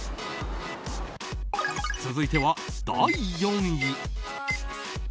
続いては第４位。